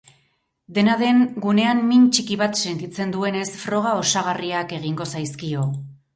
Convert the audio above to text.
Dena den, gunean min txiki bat sentitzen duenez froga osagarriak egingo zaizkio.